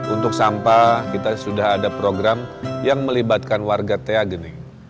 untuk sampah kita sudah ada program yang melibatkan warga teagening